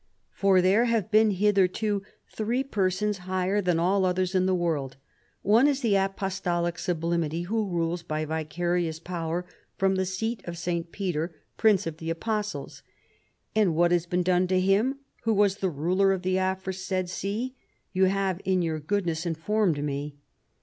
" For there have been hitherto three persons hiffher than all others in this world. One is the Apostolic Sublimity who rules by vicarious power from the seat of St. Peter, prince of the apostles. And what has been done to hira, who was the ruler of the aforesaid see, you have in your goodness informed me.